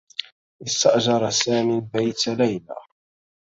استأجر سام بيت ليلى.